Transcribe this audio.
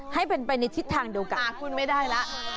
ให้เป็นไปในทิศทางเดียวกันพูดไม่ได้แล้ว